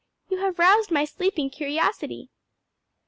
"You have roused my sleeping curiosity."